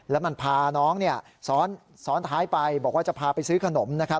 แล้วมันพาน้องซ้อนท้ายไปบอกว่าจะพาไปซื้อขนมนะครับ